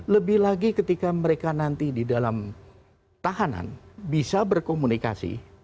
lebih lagi ketika mereka nanti di dalam tahanan bisa berkomunikasi